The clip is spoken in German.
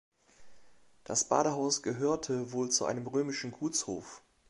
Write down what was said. Das Badehaus gehörte wohl zu einem römischen Gutshof.